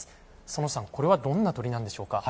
爾さん、これはどんな鳥なんでしょうか。